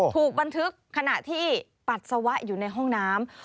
ถูกบันทึกขณะที่ปัสสาวะอยู่ในห้องน้ำ